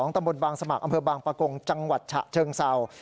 ตำบลบางสมัครอำเภอบางปะกงจังหวัดฉะเชิงเศร้า